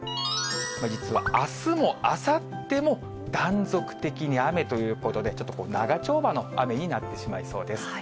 実はあすもあさっても断続的に雨ということで、ちょっと長丁場の雨になってしまいそうです。